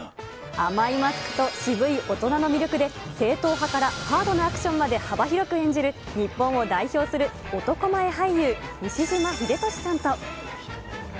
甘いマスクと渋い大人の魅力で、正統派からハードなアクションまで幅広く演じる、日本を代表する男前俳優、西島秀俊さんと。